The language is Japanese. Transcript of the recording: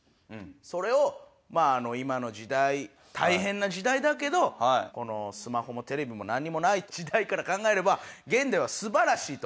それを今の時代大変な時代だけどスマホもテレビもなんにもない時代から考えれば現代は素晴らしいと。